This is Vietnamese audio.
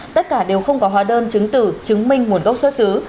tất cả đều không có hóa đơn chứng tử chứng minh nguồn gốc xuất xứ